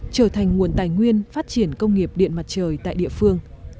trở thành nguồn tài nguyên phát triển công nghiệp điện mặt trời tại địa phương